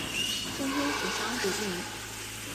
顺天府乡试第五十名。